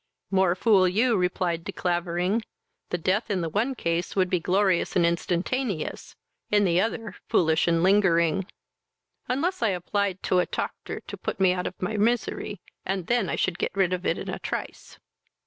"More fool you, (replied De Clavering;) the death in the one case would be glorious and instantaneous, in the other, foolish and lingering, " "Unless I applied to a toctor to put me out of my misery, and then I should get rid of it in a trice."